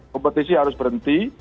kompetisi harus berhenti